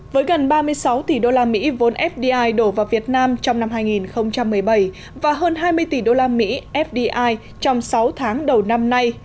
với gần ba mươi sáu tỷ đô la mỹ vốn fdi đổ vào việt nam trong năm hai nghìn một mươi bảy và hơn hai mươi tỷ đô la mỹ fdi trong sáu tháng đầu năm nay